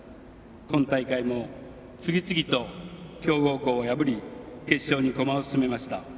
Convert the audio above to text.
今大会も次々と強豪校を破り決勝に駒を進めました。